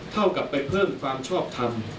เท่ากับไปเพิ่มความชอบทำ